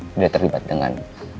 sudah terlibat dengan